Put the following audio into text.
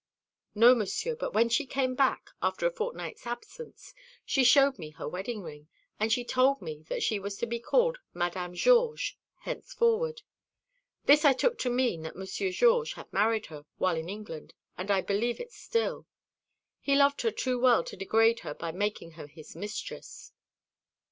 "No, Monsieur; but when she came back, after a fortnight's absence, she showed me her wedding ring, and she told me that she was to be called Madame Georges henceforward. This I took to mean that Monsieur Georges had married her while in England, and I believe it still. He loved her too well to degrade her by making her his mistress."